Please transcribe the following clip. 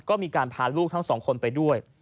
ก็มีการพาลูกทั้งสองคนไปด้วย